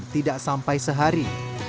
dan tidak sampai sehari